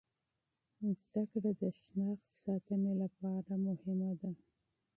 تعلیم د هویتي ساتنې لپاره مهم دی.